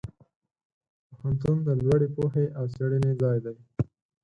پوهنتون د لوړې پوهې او څېړنې ځای دی.